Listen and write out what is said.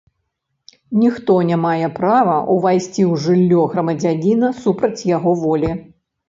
Ніхто не мае права ўвайсці ў жыллё грамадзяніна супраць яго волі.